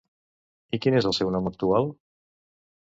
I quin és el seu nom actual?